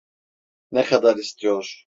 Ne kadar istiyor?